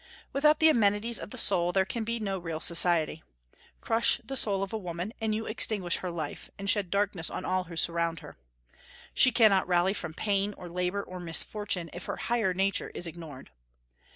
Without the amenities of the soul there can be no real society. Crush the soul of a woman, and you extinguish her life, and shed darkness on all who surround her. She cannot rally from pain, or labor, or misfortune, if her higher nature is ignored.